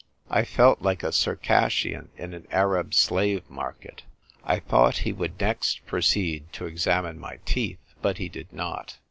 I felt like a Circassian in an Arab slave market. I thought he would next proceed to examine my teeth. But he did not.